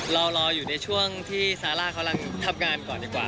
รออยู่ในช่วงที่ซาร่ากำลังทำงานก่อนดีกว่า